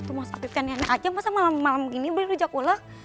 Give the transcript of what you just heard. ya mas afiq dan neneng aja masa malam malam begini beli rujak ulek